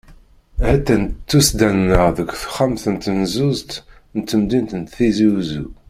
Ha-tt-an tuddsa-nneɣ deg texxam n tnezuzt n temdint n Tizi Uzzu.